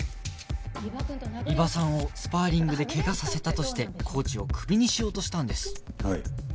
伊庭さんをスパーリングで怪我させたとしてコーチをクビにしようとしたんです